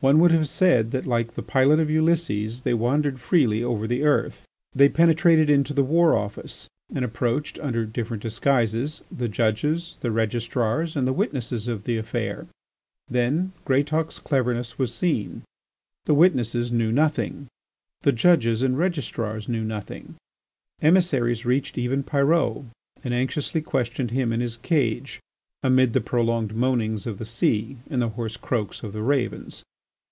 One would have said that, like the pilot of Ulysses, they wandered freely over the earth. They penetrated into the War Office and approached, under different disguises, the judges, the registrars, and the witnesses of the affair. Then Greatauk's cleverness was seen. The witnesses knew nothing; the judges and registrars knew nothing. Emissaries reached even Pyrot and anxiously questioned him in his cage amid the prolonged moanings of the sea and the hoarse croaks of the ravens.